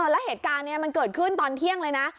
แล้วเหตุการณ์นี้มันเกิดขึ้นตอนเที่ยงเลยนะ